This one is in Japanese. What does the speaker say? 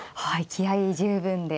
気合い十分で。